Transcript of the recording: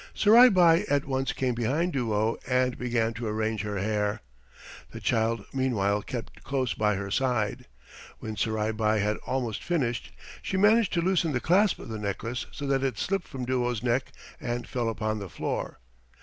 Surai Bai at once came behind Duo and began to arrange her hair. The child meanwhile kept close by her side. When Surai Bai had almost finished she managed to loosen the clasp of the necklace so that it slipped from Duo's neck and fell upon the floor.